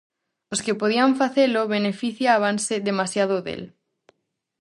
Os que podían facelo beneficiábanse demasiado del.